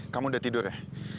kamu udah tidur ya